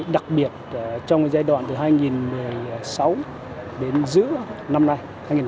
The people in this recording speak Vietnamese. đặc biệt trong giai đoạn từ hai nghìn một mươi sáu đến giữa năm nay hai nghìn hai mươi